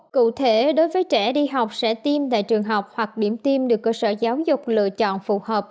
cụ thể đối với trẻ đi học sẽ tiêm tại trường học hoặc điểm tiêm được cơ sở giáo dục lựa chọn phù hợp